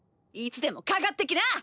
いつでもかかってきな！